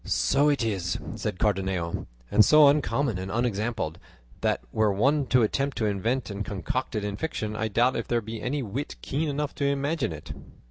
"So it is," said Cardenio; "and so uncommon and unexampled, that were one to attempt to invent and concoct it in fiction, I doubt if there be any wit keen enough to imagine it."